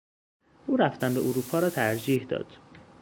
او رفتن به اروپا را ترجیح داد.